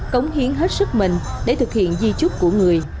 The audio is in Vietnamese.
cống hiến hết sức mình để thực hiện di trúc của người